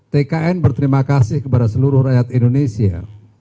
tkn berterima kasih kepada seluruh rakyat indonesia